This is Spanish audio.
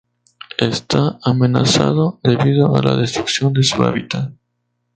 Está amenazado debido a la destrucción de su hábitat.